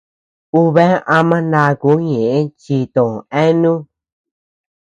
Ú bea ama ndakuu ñeʼë chi tö eanu.